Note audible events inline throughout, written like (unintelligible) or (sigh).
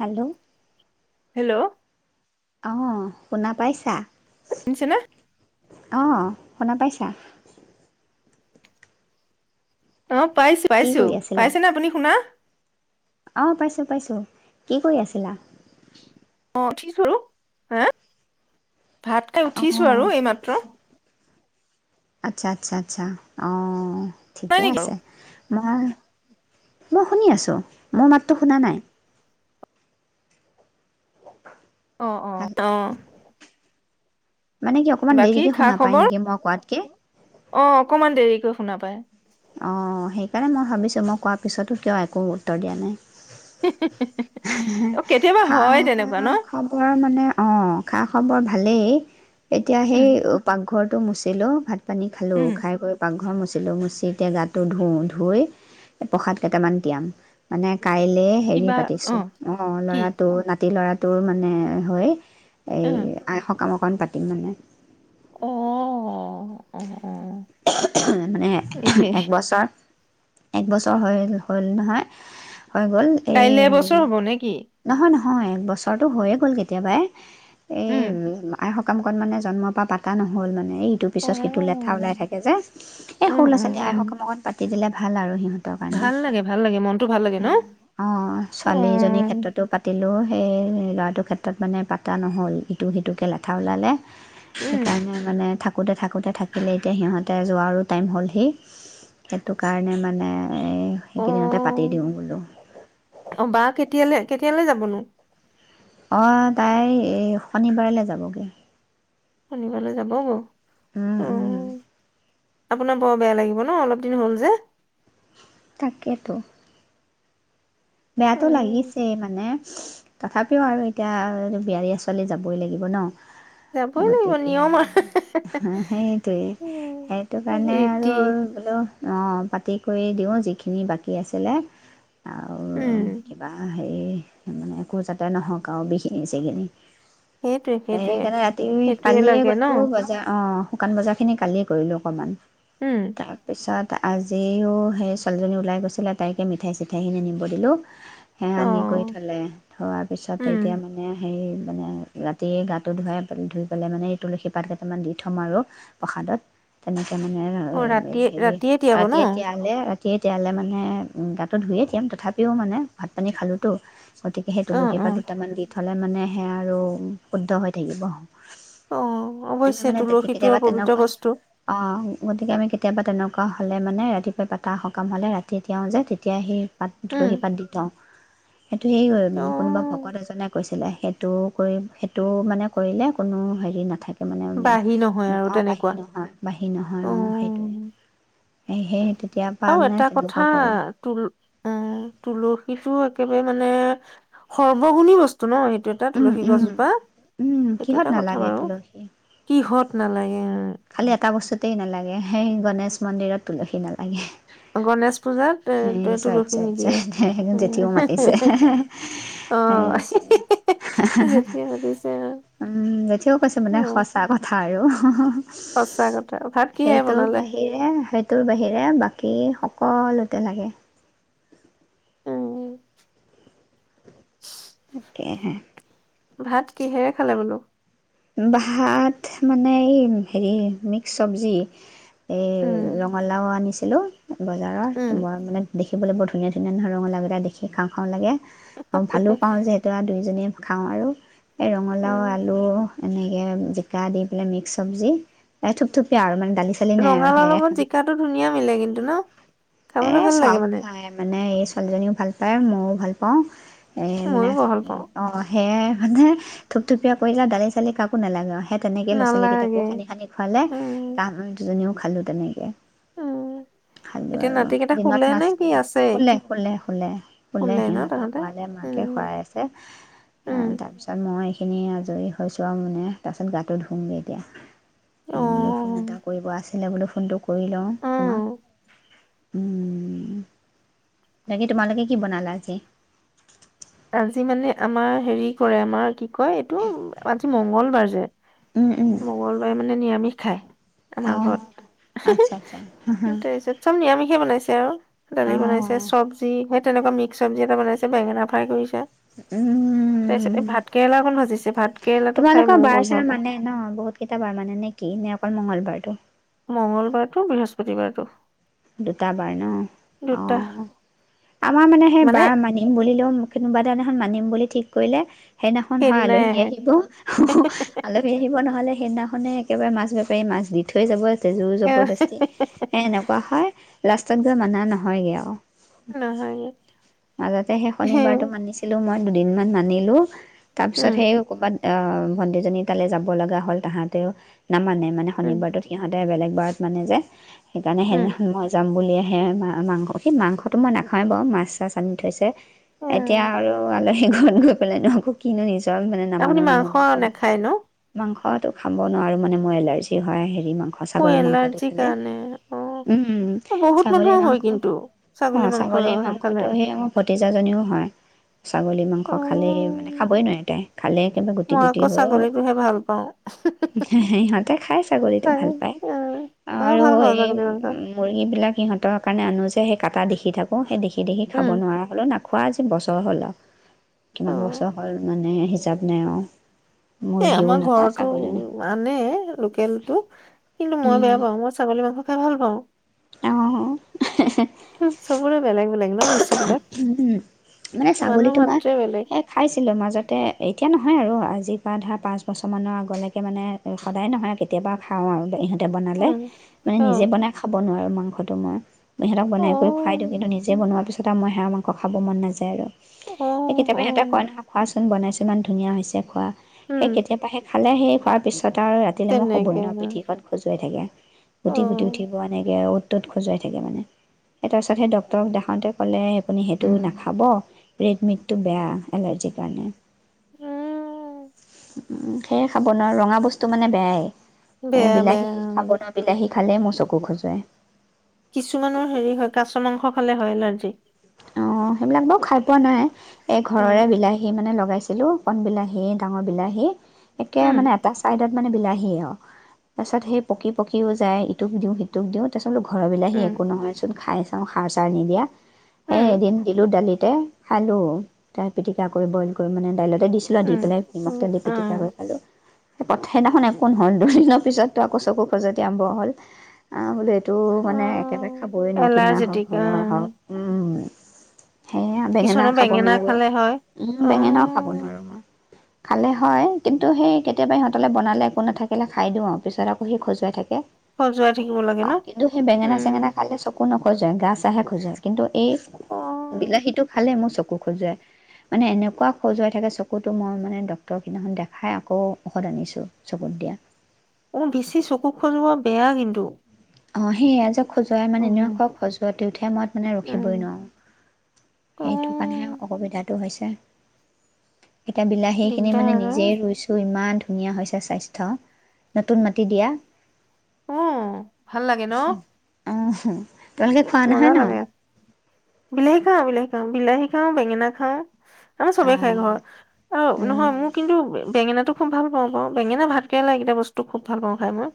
Hello. Hello. অ শুনা পাইছা? শুনিছেনে? অ শুনা পাইছা? অ পাইছোঁ‌ কি পাইছোঁ‌, কৰি পাইছে নে আপুনি শুনা? অ পাইছোঁ পাইছোঁ, কি কৰি আছিলা? (unintelligible) হে ভাত খাই অঁ উঠিছো আৰু এইমাত্ৰ। আচ্ছা আচ্ছা আচ্ছা, অ। নাই ঠিকে নেকি বাৰু আছে মই, মই শুনি আছোঁ, মোৰ মাতটো শুনা নাই? অহ, অহ। তঅ। মানে কি অকমান দেৰিকে শুনা পাই খবৰ নেকি মই কোৱাত কি? অ', অকমান দেৰিকৈ শুনা পাই। অ', সেইকাৰণে মই ভাবিছোঁ মই কোৱাৰ পিছতো কিয় একো উত্তৰ দিয়া নাই। (unintelligible) অ কেতিয়াবা হয় তেনেকুৱা ন খা-খবৰ মানে অহ, খা-খবৰ ভালেই। (inaudible) এতিয়া সেই উম উ, পাকঘৰত টো মুচিলোঁ ভাত পানী খালোঁ, উম খাই কৰি পাকঘৰ মচি (inaudible) মুচি এতিয়া গাটো ধুওঁ, ধুই প্ৰসাদ কেইটামান তিয়াম, মানে কাইলে হেৰি পাতিছোঁ অ অ কি ল'ৰাটো নাতি লৰাটো তোৰ মানে হয় অ এই আইসকল (unintelligible) অকণ পাতিম মানে অ অ অ মানে এহে একবছৰ এক বছৰ হ'ল হ'ল নহয় হৈ গ'ল এই মানে তোৰ নে কি? অ এক বছৰটো হৈয়ে গ'ল কেতিয়াবাই এই উম আই সকামকণ মানে জন্মৰ পৰা পাতা নহ'ল মানে। এই ইটোৰ অ পিছত সিটো লেঠা ওলাই থাকে যে এই সৰু উম ল' উম ছোৱালী উম আইসকাম অকণ পাতি দিলে ভাল আৰু সিহঁত ভাল লাগে ভাল লাগে মনটো ভাল লাগে ন অ তাটো পাতিলো সেই এই ল'ৰাটোৰ ক্ষেত্ৰত মানে পাতা নহ'ল ইটো সিটোকে লেঠা ওলালে উম সেইকাৰণে মানে থাক থাকোঁতে থাকোঁতে থাকিলে এতিয়া সিহঁতে যোৱা টাইম হ'লহি সেইটো কাৰণে মানে এ সেইকেইদিনতে পাতি অ দিওঁ বোলো কেতিয়ালে, কেতিয়ালে যাবনো। অ', তাই এই, শনিবাৰলে যাবগে। (unintelligible) যাব বৌ? উম, উম। আপোনাৰ বৰ বেয়া লাগিব ন অলপ দিন হ'ল যে। তাকেতো। বেয়াতো উম লাগিছে মানে তথাপিও আৰু এতিয়া বিয়া দিয়া ছোৱালী যাবই লাগিব ন! যাবই লাগিব গতিকে নিয়ম আৰু সেইটোৱে, উম সেইটো কাৰণে আৰু ৰীতি বোলো অঁ পাতি কৰি দিওঁ যিখিনি বাকী আছিলে উমম এই একো যাতে নহওক আৰু বিঘিনি-চিঘিনি। সেইটোৱে সেইটোৱে সেইকাৰণে ৰাতি সেইটোৱে কালিয়ে লাগে ন গলো বজাৰ, অ। শুকান বজাৰখিনি কালিয়ে কৰিলোঁ অকমান। উম। আজিও সেই ছোৱালীজনী ওলাই গৈছিলে তাইকে মিঠাই চিঠাইখিনি কৰিলোঁ। সেয়া অ আনি কৰি থলে থোৱাৰ পিছত উম এতিয়া মানে হেৰি মানে ৰাতি গাটো ধুৱাই-ধুই পেলাই মানে, এই তুলসী পাত কেইটামান দি থম আৰু প্ৰসাদত। তেনে অ তাৰমানে ৰাতিয়ে হেৰি ৰাতিয়ে তিয়াব ন ৰাতিয়ে তিয়ালে (unintelligible) তিয়ালে মানে গাটো ধুয়ে তিয়াম তথা কিয় মানে, ভাত পানী খালোতো। গতিকে সেই অ তুলসী অ পাত দুটামান দি থলে মানে সেয়া আৰু শুদ্ধ হৈ থাকিব। অ আমি অৱশ্যে মানে তুলসীটো আৰু কেতিয়াবা পবিত্ৰ তেনেকুৱা, বস্তু অ', গতিকে আমি কেতিয়াবা তেনে (unintelligible) হলে মানে ৰাতিপুৱা পাতা সকাম হলে ৰাতিয়ে তিয়াও যে তেতিয়া সেই উম তুলসী পাত দি থওঁ। সেইটো এই এ অ কোনোবা ভকত এজনে কৈছিলে সেইটো কৰি, সেইটো মানে কৰিলে কোনো হেৰি নাথা তাৰমানে বাহী নহয় আৰু (unintelligible) অ', বাহী তেনেকুৱা নহয়। বাহী নহয়। অ', সেইটোৱে। (unintelligible) আৰু মানে এটা তেনেকুৱা কথা কৰোঁ তুল অঁ তুলসীটো একেবাৰে মানে সৰ্বগুণী বস্তু ন (unintelligible) উম তুলসী উম গছজোপা, উম এইটো কিহত এটা কথা নালাগে বাৰু, কিহত নালাগে খালী এটা বস্তুত তে নালাগে, সেই গণেশ মন্দিৰত তুলসী নালাগে। উম গণেশ পূজাত এ হেই চৈৎ তুলসী চৈৎ নিদিয়ে চৈৎ হেই উম জেঠিও মাতিছে হে হে অ হে হেইটোৱেই হে হে হে যেতিয়া পাতিছে আৰু উমম জেঠিও কৈছে মানে সেয়া সঁচা কথা আৰু হু হু হু সঁচা কথা ভাত কিহেৰে সেইটোৰ বনালে বাহিৰে সেইটোৰ বাহিৰে বাকী সক কলতে লাগে উম উকিয়াই হে ভাত কিহেৰে খালে বুলু ভাত মানেই হেৰি মিক্স চব্জি এই উম ৰঙালাও আনিছে হেলো বজাৰৰ উম কোমোৰাবিলাক দেখিবলৈ বৰ ধুনীয়া ধুনীয়া এনেধৰণৰ ৰঙালাও কেইটা দেখি খাওঁ খাওঁ লাগে আৰু ভালোপাওঁ যিহেতুয়ে দুইজনীয়ে খাওঁ আৰু এ ৰঙালাও উম আলু এনেকে জিকা দি পেলাই মিক্স চব্জি এ থুপথুপিয়া আৰু মানে দালি চালি নাই আৰু ৰঙালাওৰ লগত জিকাটো ধুনীয়া মিলে কিন্তু ন এ খাবলৈ ভাল লাগে চব মানে খাই মানে এ ছোৱালীজনীও ভাল পায় ম মও ভালপাওঁ এই মানে ময়ো বহল পাওঁ অ সেয়াই মানে থুপথুপিয়ীয়া কৰিলে দালি চালি কাকো নালাগে সেইট তেনেকে লৰা-ছোৱালীকেইটাকো নালাগে সানি সানি খুৱালে তাৰ দুজনীও খালো তেনেকে উম্ এতিয়া নাত দিনত মাছ খালে শুলে শুলে শুলে শুলে ন সিহঁতক তাহাঁতে খুৱালে মাকে উম শুৱাই আছে উম তাৰপিছত মই এইখিনি আজৰি হৈছোঁ আৰু মানে তাৰপিছত গাটো ধুমগে এতিয়া। অ মো বুলু ফোন এটা কৰিব আছে এনে বুলু ফোনটো কৰি লওঁ অ তোমাক উমম্ বাকী তোমালোকে কি বনালা আজি? আজি মানে আমাৰ হেৰি কৰে আমাৰ কি কি কয় এইটো আজি মংগলবাৰ যে উম উম মংগলবাৰে মানে নিৰামিষ ধায় আমাৰ অঁ ঘৰত হু হু আচ্ছা আচ্ছা তাৰপিছত চব নিৰামিষ সিয়ে বনাইছে আৰু দালি অঁ বনাইছে চব্জি হেৎ তেনেকুৱা মিক্স চৱজি এটা বনাইছে, বেঙেনা ফ্ৰাই কইছ উম। কেৰেলা অকণ ভাজিছে ভাত কেৰেলাটো খাই তোমালোকৰ ময়ো বৰ বাৰ-চাৰ ভাল পাওঁ মানে ন? বহুত কেইটা বাৰ মানে নে কি, নে অকল মংগলবাৰটো? মংগলবাৰটো, বৃহস্পতিবাৰটো। দুটা বাৰ ন? দুটা অ'। আমাৰ মানে সেই বাৰ মানিম বুলিলেও কোনোবা দিনাখন মানিম বুলি ঠিক কৰিলে সেইদিনাখন হয় সেইদিনাই আলহী আহিব। হ, হ, আলহী আহিব নহ'লে সেইদিনাখন মানে একেবাৰে মাছ বেপাৰীয়ে মাছ দি থৈ যাব আজি। আহে জুৰ-জবৰদস্তি। এ, নাপ লাষ্টতগৈ মানে নহয়গে আও। নহয় মাজতে সেই শনিবাৰতটো মানিছিলো, মই। দুদিনমান মানিলো। তাৰপিছত, উম সেই কৰ'বাত আও, ভনটিজনী তালে যাব লগা হ'ল তাহাঁতেও। নামানে। মানে উম শনিবাৰতো সিহঁতে বেলেগ বৰত মানে যে, সে মানে উম সেইদিনাখন মই যাম বুলিয়ে হে মা-মাংস সি মাংসটো মই নাখাওঁয়ে বাৰু, মাছ চাছ আনি থৈছে। উম। এতিয়া আৰু আলহী ঘৰত গৈ পেলাইনো আকৌ কিনো নিজৰ মানে নামানো আপুনি মাংস নামানো কম, নাখায় ন মাংস অটো খাব নোৱাৰোঁ মানে মোৰ এলাৰ্জি হয় সেই মোৰ এলাৰ্জি কাৰণে উম, উম। বহুত ছাগলী মানুহৰ হয় মাংস কিন্তু অ ছাগলী মাংস ছাগলীৰ খালে মাংসটো সেইমোৰ ভতিজাজনীও হয় ছাগলী মাংস অ খালেই মানে খাবই নোৱাৰে। তে খালে একেবাৰে গুটি মই গুটি আকৌ হয়। ছাগলীটোহে ভাল পাওঁ সিহঁতে খাই ছাগলীটো তাই, ভাল পায়, অ মই আৰু ভাল পাওঁ এই ছাগলী মাংস মুৰ্গীবিলাক সিহঁত সিহঁতৰ কাৰণে আনো যে সেই কটাি দেখি থাকোঁ, সেই দেখি সি দেখি খাব উম নোৱাৰ হ'লেও নাপ খোৱা আজি বছৰ হ'ল আৰু, অ কিমান বছৰ হ'ল মানে হিচাপ নাই আৰু। এ মুৰ্গীও আমাৰ নাখাওঁ ঘৰতো ছাগলীও নাখাওঁ আনে লোকেলটো কিন্তু মই বেয়া পাওঁ, মই ছাগলী মাংস খাই ভাল পাওঁ। অঁ (unintelligible) চবৰে বেলেগ। (unintelligible) উম, হো, মানে মানুহ ছাগলীটো মই মাত্ৰে বেলেগ এ, খাইছিলোঁ মাজতে, এতিয়া নহয় আৰু আজি আজিৰপা ধৰা পাঁচ বছৰমানৰ আগলৈকে মানে সদায় নহয় আৰু কেতিয়াবা খাওঁ আৰু হেহ তেওঁ বনালে উম, মানে নিজে অ', বনাই খাব নোৱাৰোঁ মই মাংসটো মই এহেতক বনাই কৰি খুৱাই দিওঁ, অ', কিন্তু নিজে বনোৱাৰ পিছত এটা মই হাঁহৰ মাংস খাব মন নাযায় আৰু এই অ', কেতিয়াবা সেহেঁতে কয় অ', নহয়, খোৱাচোন এদিন বনাইছোঁ ইমান ধুনীয়া হৈছে খোৱা উম, সেই কেতিয়াবাহে খাওঁ খালে হেই খোৱাৰ পিছত তাৰচত আৰু ৰাতিলে মই শুৱই তেনেকে নোৱাৰোঁ, ন' পিঠিখন খজু হৈ থাকে। অ', গুটি, গুটি উঠিব এনেকে আৰু। হাতত খজুৱাই থাকে মানে, তাৰ পিছত সেই ডক্তৰক দেখাওঁতে ক'লে আপুনি সেইটো নাখাব, ৰেড মিটটো বেয়া, এলাৰ্জিৰ কাৰণে। উম, উ, সেয়ে খাব নোৱাৰো, ৰঙা বস্তু মানে বেয়াই। এ, বেয়া বেয়া বিলাহী খাব নোৱাৰোঁ, বিলাহী খালেই মোৰ চকু খজুৱায়। কিছুমানৰ হেৰি হয়, কাছ মাংস খালে হয়, এলাৰ্জি। অ, সেইবিলাক বাৰু খাই পোৱা নাই। এই ঘৰৰে উম, বিলাহী, মানে লগাইছে (unintelligible) কণ বিলাহী, ডাঙৰ বিলাহী একে উম, মানে, এটা চাইডত মানে বিলাহী আৰু, তাৰছত সেই পকি পকিও যায়। ইটোক দিও, সিটোক দিও তাৰছত মই বোলো, ঘৰৰ বিলাহী উম, একো নহয় চোন খাই (unintelligible) সাৰ, চাৰ নিদিয়া। হে উম, এদিন দিলো ডালিতে খালো, তাৰ পিটিকা কৰি বইল কৰি মানে দাইলত ত'তে দিছিলো আৰু দি উম, পেলাই, নিমখ তেল উম, দি পিটিকা কৰি খালো। সেইদিনাখন একো নহ'ল, দুদিনৰ পিছতো আকৌ চকু খজুৱতি আৰম্ভ হ'ল, বোলো এইটো অ', মানে একেবাৰে খাবই অ', ন কিনা হওঁক, এলাৰ্জেটিক ঘৰৰ হওঁক, অ', উম। সেয়া বেঙেনা কিছুমানৰ খাব নোৱাৰো, খালে হয়। উম, অ', বেঙেনাও খাব নোৱাৰো মই। খালে হয়, কিন্তু সেই কেতিয়াবা ইহঁতলৈ বনালে একো নাথাকিলে খাই দিওঁ আৰু পিছত আকৌ সি খজুৱাই থাকে। খজুৱাই থাকিব লাগে ন' অ', কিন্তু সেই বেঙেনা চেঙেনা উম, খালে চকু নখজুৱাই খজুৱাই, গা চা হে খজুৱাই কিন্তু এই-' অ', বিলাহীটো খালে মোৰ চকু খজুৱাই মানে এনেকুৱা খজুৱাই থাকে চকুতো মই মানে ডক্তৰক সিদিনাখন দেখাই আকৌ ঔষধ আনিছো চকুত দিয়া। অ বেছি চকু খজুৱা বেয়া কিন্তু অ (inaudible) খজুৱাই মানে (unintelligible) মই উম, মানে ৰখিবই উম, নোৱাৰো সেইটো কাৰণেহে অ'। অসুবিধাটো হৈছে (inaudible) এতিয়া বিলাহীখিনি দিগদাৰ মানে আৰু। নিজেই ৰুইছোঁ ইমান ধু (unintelligible) হৈছে স্বাস্থ্য নতুন মাটি দিয়া অ'। ভাল লাগে ন? আহ (unintelligible) (unintelligible) খোৱা নহয় মজা ন? লাগে বিলাহী খাওঁ বিলাহী খাওঁ বিলাহী খাওঁ বেঙেনা খাওঁ আমাৰ চবে খাই অঁ ঘৰৰ আৰু নহয় মোৰ কিন্তু বে- বেঙেনাটো (inaudible) বেঙেনা ভাতকেৰেলা এইকেইটা বস্তু খুব ভালপাওঁ খাই মই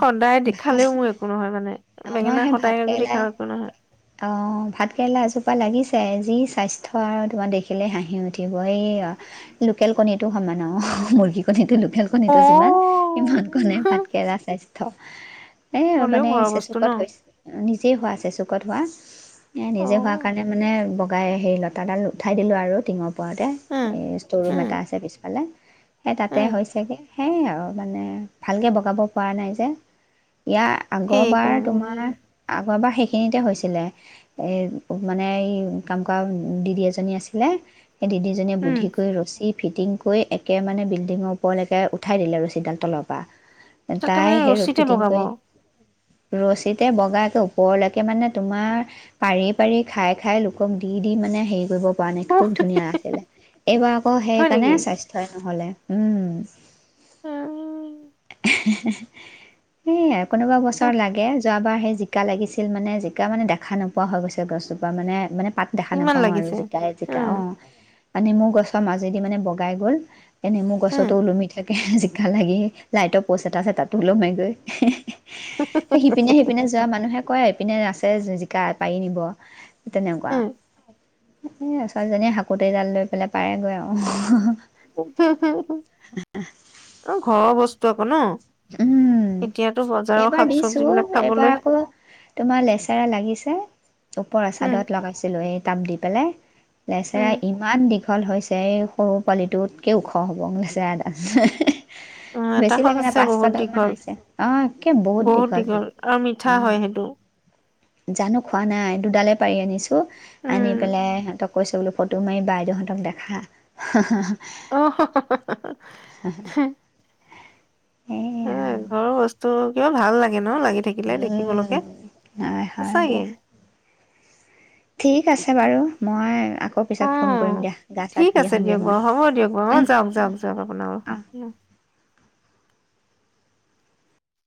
সদায় ভাল দেখালেও মোৰ একো নহয় মানে, আমাৰ বেঙেনা সেই ভাত সদায়ে যদি কেৰেলা খাওঁ একো নহয়। অ', ভাত কেৰেলা এজোপা লাগিছে যি স্বাস্থ্য আৰু তোমাৰ দেখিলে হাঁহি উঠিব এই লোকেল কণীটো সমান অ', মুৰ্গী কণীটো। (unintelligible) অ কণীটো যিমান সিমানকনে ভাত (unintelligible) এ হ'লেও (unintelligible) ঘৰৰ বস্তু ন চেচুকত হৈছে (inaudible) হোৱা আছে চুকত হোৱা (unintelligible) অ নিজে হোৱাৰ কাৰণে মানে (inaudible) (unintelligible) সেই লতাডাল উঠাইদিলোঁ আৰু টিঙৰ উম (unintelligible) এ স্তৰৰুম উম এটা আছে পিছফালে সেই তাতে উম হৈছেগে। সেই আৰু মানে। ভালকে বহ (unintelligible) পৰা নাই যে ইয়াৰ আগৰবাৰ সেইকাৰণে তোমাৰ (unintelligible) যোৱাবাৰ সেইখিনিতে হৈছিলে এই মানে এই কাম কৰা দিদি এজনী আছিলে সেই দিদিজীয়ে উম বুদ্ধি কৰি ৰছী ফিটিং কৰি একে মানে বিল্ডিংৰ ওপৰলৈকে উঠাই দিলে ৰছীডাল তলৰ পৰা তাকে তাই মানে সেই ৰছিতে ফিটিং বগাব। কৰি ৰছীতে বগাাকে ওপৰলৈকে মানে তোমাৰ পাৰি পাৰি খাই খাই লোকক দি দি মানে হেৰি কৰিব (unintelligible) উহ খুব ধুনীয়া আছিলে এইবাৰ আকৌ হয় নেকি সেইকাৰণে স্বাস্থ্যয়ে নহলে। উম উম (unintelligible) কোনোবা বছৰ হুম, লাগে, যোৱাবাৰ এই জিকা লাগিছিল মানে। জিকা মানে দেখা নোপোৱা হৈ গৈছে গছজোপা। মানে মানে পাত দেখা ইমান নাপাওঁ আৰু, লাগিছে জিকা য়ে জিকা। উম অ'। (unintelligible) গছৰ মাজেদি মানে বগাই গ'ল। এ, নেমু উম গছতো ওলমি থ এহ, জিকা লাগি, লাইট-অ (unintelligible) আছে তাতটো (unintelligible) গৈ। সিপিনে সিপিনে যোৱা মানুহে কয়, এইপিনে আছে জি, জিকা পাৰি নিব। তেনেকুৱা উম এয়া ছোৱালীজনীয়ে হাকোটি এডাল লৈ পেলাই পাৰেগৈ আৰু। (unintelligible) ঘৰৰ বস্তু (unintelligible) উম এতিয়াতো বজাৰৰ এইবাৰ শাক চবজি দিছো বিলাক এইবাৰ খাবলৈ আকৌ তোমাৰ লেচেৰা লাগিছে ওপৰৰ উম চাদত লগাইছিলো এই তাব দি পেলাই লেচেৰা উম ইমান (unintelligible) হৈছে এই সৰু পোৱালিটোতকেও ওখ হ'ব। অ এটা সঁচ আছে (unintelligible) (unintelligible) বহুত ছডাল মান দীঘল আছে হ একে বহুত দীঘল সি আৰু মিঠা উম হয় সেইটো জানো খোৱা নাই দুডালে পাৰি আনিছো আনি উম পেলাই সিহঁতক কৈছে বোলো ফটো মাৰি বাইদেউহঁতক দেখা (unintelligible) এইয়া উম আৰু ঘৰৰ বস্তু কিয় (unintelligible) লাগে ন লাগি থাকিলে দেখিবলৈকে। হয় হয় সঁচাকে। দিয়া ঠিক আছে বাৰু মই আকৌ অ পিছত ফোন কৰিম দিয়া গা চা ঠিক ধুই আছে আহোঁগৈ দিয়ক মই বাৰু, হ'ব দিয়ক বাৰু অ উম যাওক - যাওক - যাওক আপোনা অ (unintelligible)